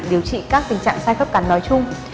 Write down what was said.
điều trị các tình trạng sai cấp cắn nói chung